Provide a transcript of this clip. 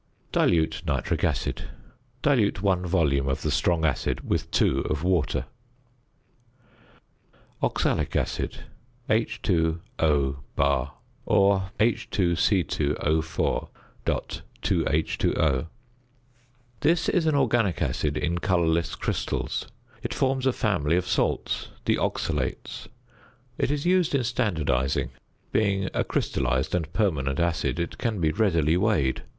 ~Dilute Nitric Acid.~ Dilute 1 volume of the strong acid with 2 of water. ~Oxalic Acid~, H_[=O] or (H_C_O_.2H_O.) This is an organic acid in colourless crystals. It forms a family of salts the oxalates. It is used in standardising; being a crystallised and permanent acid, it can be readily weighed.